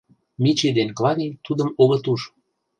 Мичий ден Клавий тудым огыт уж.